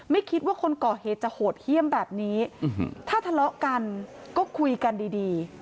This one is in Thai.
ไม่คิดว่าคนก่อเหตุจะโหดเยี่ยมแบบนี้ถ้าทะเลาะกันก็คุยกันดี